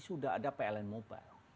sudah ada pln mobile